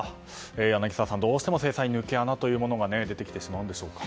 柳澤さん、どうしても制裁の抜け穴が出てきてしまうんでしょうか。